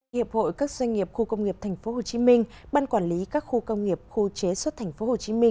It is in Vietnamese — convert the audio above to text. hiệp hội các doanh nghiệp khu công nghiệp tp hcm ban quản lý các khu công nghiệp khu chế xuất tp hcm